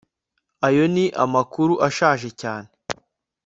ayo ni amakuru ashaje cyane